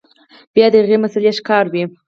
بيا د هغې مسئلې ښکار وي